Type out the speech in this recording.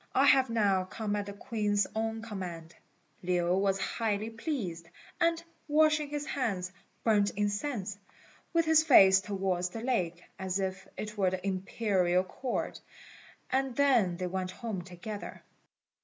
I have now come at the Queen's own command." Lin was highly pleased; and washing his hands, burnt incense, with his face towards the lake, as if it were the Imperial Court, and then they went home together.